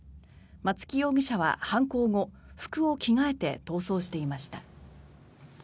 松木容疑者は犯行後、服を着替えて逃走していました。